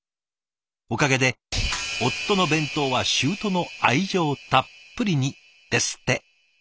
おかげで夫の弁当は舅の愛情たっぷりに」ですって。